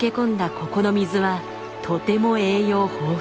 ここの水はとても栄養豊富。